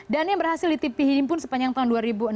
dan yang berhasil ditipu hipun sepanjang tahun dua ribu enam belas